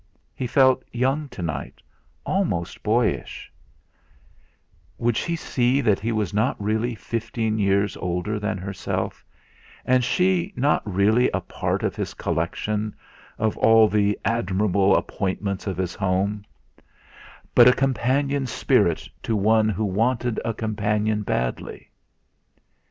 He felt young to night, almost boyish; would she see that he was not really fifteen years older than herself, and she not really a part of his collection, of all the admirable appointments of his home; but a companion spirit to one who wanted a companion badly.